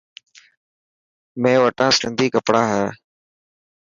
مين وتان سنڌي ڪپڙا هي.